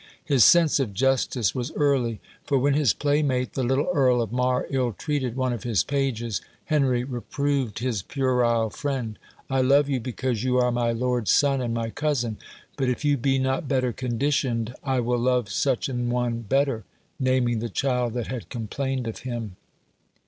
His sense of justice was early; for when his playmate the little Earl of Mar ill treated one of his pages, Henry reproved his puerile friend: "I love you because you are my lord's son and my cousin; but, if you be not better conditioned, I will love such an one better," naming the child that had complained of him.